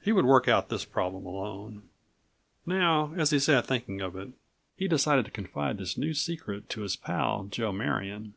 He would work out this problem alone. Now, as he sat thinking of it, he decided to confide this new secret to his pal, Joe Marion.